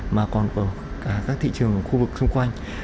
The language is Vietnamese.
mà còn ở các thị trường khu vực xung quanh